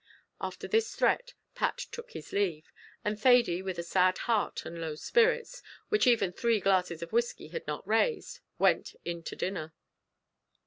After this threat, Pat took his leave, and Thady, with a sad heart, and low spirits, which even three glasses of whiskey had not raised, went in to dinner.